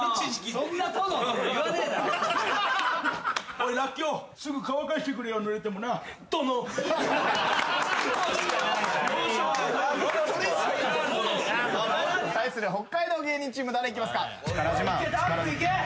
「おいらっきょすぐ乾かしてくれよぬれてもな」対する北海道芸人チーム誰行きますか？